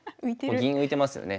銀浮いてますよね。